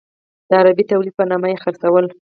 د عربي تولید په نامه یې خرڅول.